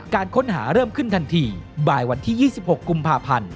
การค้นหาเริ่มขึ้นทันทีบ่ายวันที่๒๖กุมภาพันธ์